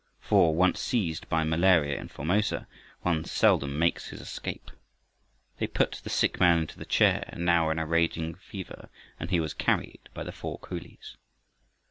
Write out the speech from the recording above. For, once seized by malaria in Formosa, one seldom makes his escape. They put the sick man into the chair, now in a raging fever, and he was carried by the four coolies.